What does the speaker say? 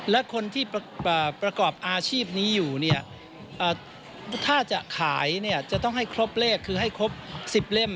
และคนที่ประกอบอาชีพนี้อยู่เนี่ยถ้าจะขายเนี่ยจะต้องให้ครบเลขคือให้ครบ๑๐เล่ม